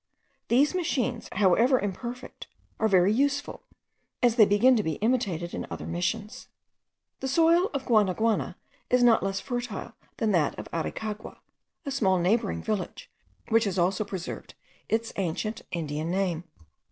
These machines, however imperfect, are very useful, and they begin to be imitated in other Missions. The soil of Guanaguana is not less fertile than that of Aricagua, a small neighbouring village, which has also preserved its ancient Indian name.